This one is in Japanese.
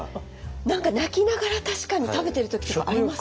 何か泣きながら確かに食べてる時とかあります。